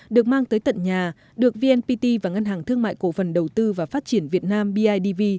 được mang tới tận nhà được vnpt và ngân hàng thương mại cổ phần đầu tư và phát triển việt nam bidv